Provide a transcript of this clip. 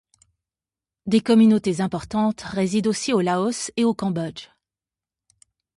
Des communautés importantes résident aussi au Laos et au Cambodge.